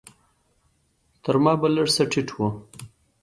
تر ما به لږ څه ټيټ و.